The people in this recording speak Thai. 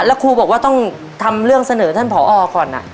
แล้วครูบอกว่าต้องทำเรื่องเสนอท่านผอก่อน